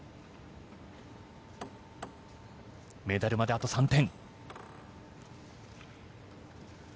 メダルまであと３点。